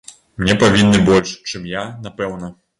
Мне павінны больш, чым я, напэўна.